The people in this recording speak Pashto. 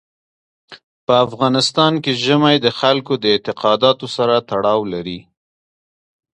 په افغانستان کې ژمی د خلکو د اعتقاداتو سره تړاو لري.